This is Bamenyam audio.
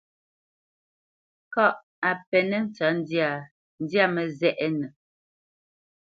Kâʼ a penə́ tsəndyâ, nzyá mə́zɛʼnə.